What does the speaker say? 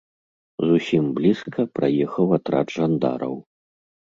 Зусім блізка праехаў атрад жандараў.